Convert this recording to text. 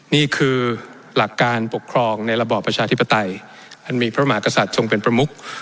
นี่คือหลักการปกครองในระบอบประชาธิปไตยอันมีพระมหากษัตริย์ทรงเป็นประมุก